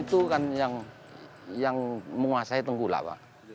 itu kan yang menguasai tengkulak pak